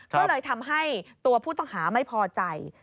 ก็เลยทำให้ตัวผู้ต้องหาไม่พอใจ